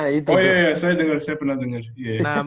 oh iya iya saya denger saya pernah denger